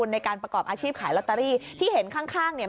ในการประกอบอาชีพขายลอตเตอรี่ที่เห็นข้างข้างเนี่ย